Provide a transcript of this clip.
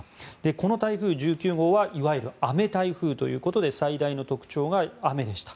この台風１９号はいわゆる雨台風ということで最大の特徴が雨でした。